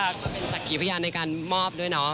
มันเป็นสักขีพยานในการมอบด้วยเนาะ